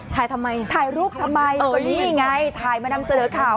ทำไมถ่ายรูปทำไมก็นี่ไงถ่ายมานำเสนอข่าว